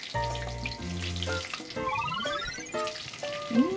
うん！